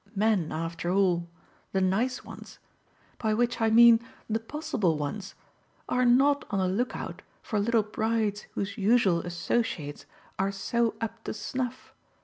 Men, after all, the nice ones by which I mean the possible ones are not on the lookout for little brides whose usual associates are so up to snuff.